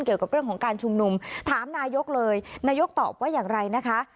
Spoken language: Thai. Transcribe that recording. เกี่ยวกับเรื่องของการชุมนุมถามนายกเลยนายกตอบว่าอย่างไรนะคะ